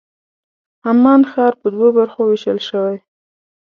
عمان ښار په دوو برخو وېشل شوی.